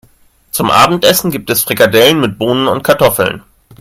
Zum Abendessen gibt es Frikadellen mit Bohnen und Kartoffeln.